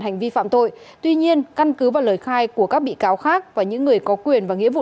hành vi phạm tội tuy nhiên căn cứ và lời khai của các bị cáo khác và những người có quyền và nghĩa vụ